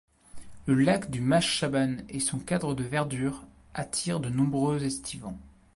Le lac du Mas Chaban et son cadre de verdure attirent de nombreux estivants.